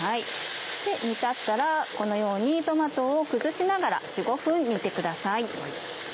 煮立ったらこのようにトマトを崩しながら４５分煮てください。